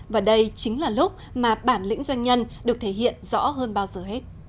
và đây chính là lúc mà bản lĩnh doanh nhân được thể hiện rõ hơn báo giáo